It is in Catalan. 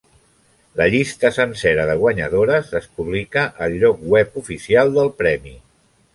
La llista sencera de guanyadores es publica al lloc web oficial del Premi.